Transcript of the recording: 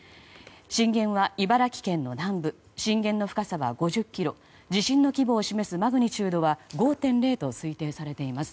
震源は茨城県の南部震源の深さは５０ｋｍ地震の規模を示すマグニチュードは５．０と推定されています。